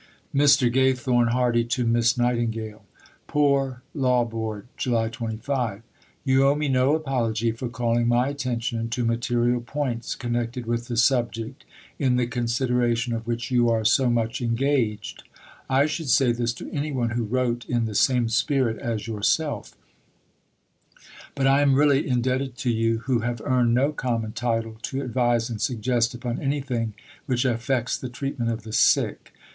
(Mr. Gathorne Hardy to Miss Nightingale.) POOR LAW BOARD, July 25. You owe me no apology for calling my attention to material points connected with the subject in the consideration of which you are so much engaged. I should say this to any one who wrote in the same spirit as yourself, but I am really indebted to you who have earned no common title to advise and suggest upon anything which affects the treatment of the sick.